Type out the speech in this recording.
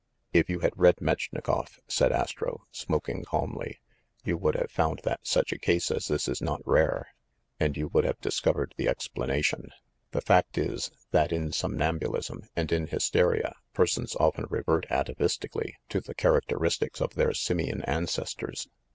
"If you had read Metchnikoff," said Astro, smoking calmly, "you would have found that such a case as this is not rare; and you would have discovered the ex planation. The fact is that in somnambulism and in hysteria persons often revert atavistically to the char The white form sped down the garden wall. THE FANSHAWE GHOST 81 acteristics of their simian ancestors.